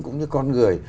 cũng như con người